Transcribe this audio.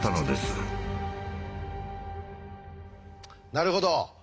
なるほど。